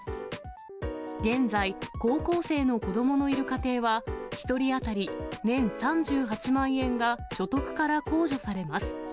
現在、高校生の子どものいる家庭は、１人当たり年３８万円が所得から控除されます。